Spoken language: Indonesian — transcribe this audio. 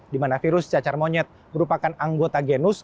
di mana virus cacar monyet merupakan anggota genus